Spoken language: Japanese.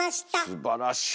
すばらしい。